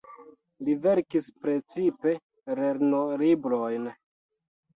Li verkis precipe lernolibrojn.